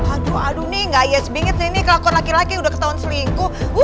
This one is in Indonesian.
aduh aduh nih gak yes bingit nih ini kelakon laki laki udah ketahuan selingkuh